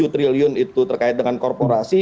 delapan belas tujuh triliun itu terkait dengan korporasi